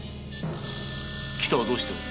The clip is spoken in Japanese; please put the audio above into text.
喜多はどうしておる？